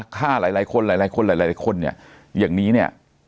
ฆ่าหลายคนหลายหลายคนหลายหลายคนเนี่ยอย่างนี้เนี่ย